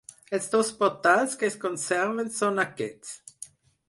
Els dos portals que es conserven són aquests.